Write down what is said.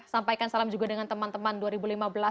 sampaikan salam juga dengan teman teman dua ribu lima belas